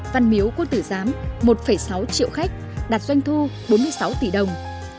văn miếu quốc tử giám một sáu triệu khách đạt doanh thu bốn mươi sáu tỷ đồng